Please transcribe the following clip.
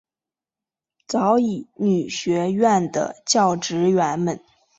早乙女学园的教职员们。